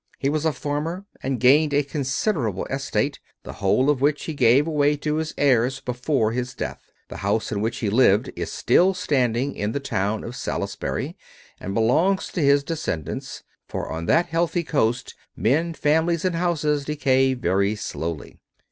He was a farmer, and gained a considerable estate, the whole of which he gave away to his heirs before his death. The house in which he lived is still standing in the town of Salisbury, and belongs to his descendants; for on that healthy coast men, families, and houses decay very slowly.